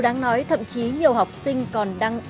đáng nói thậm chí nhiều học sinh còn đăng